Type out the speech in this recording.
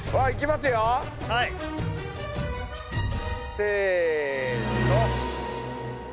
せの。